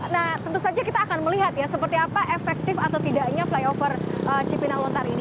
nah tentu saja kita akan melihat ya seperti apa efektif atau tidaknya flyover cipinang lontar ini